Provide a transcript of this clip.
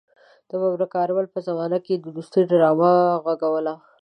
د ببرک کارمل په زمانه کې يې د دوستۍ ډرامه غږوله.